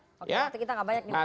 oke waktu kita gak banyak nih